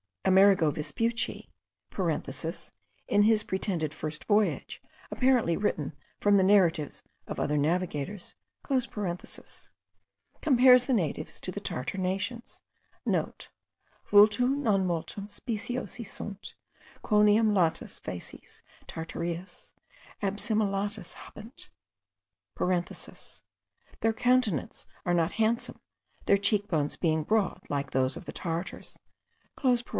Amerigo Vespucci (in his pretended FIRST voyage, apparently written from the narratives of other navigators) compares the natives to the Tartar nations,* (* Vultu non multum speciosi sunt, quoniam latas facies Tartariis adsimilatas habent. (Their countenances are not handsome, their cheek bones being broad like those of the Tartars.)